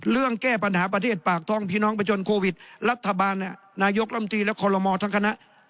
แก้ปัญหาประเทศปากท่องพี่น้องประจนโควิดรัฐบาลนายกลำตีและคอลโลมอทั้งคณะ